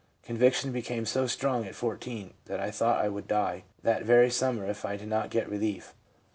Conviction became so strong at 14 that I thought I would die that very summer if I did not get relief.